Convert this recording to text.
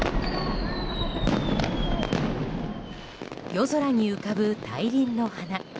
夜空に浮かぶ大輪の花。